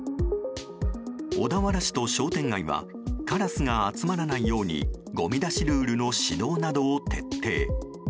小田原市と商店街はカラスが集まらないようにごみ出しルールの指導などを徹底。